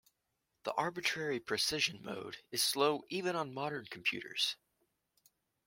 The arbitrary-precision mode is slow even on modern computers.